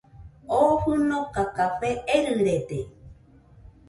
Oo fɨnoka café erɨrede